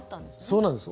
そうなんです。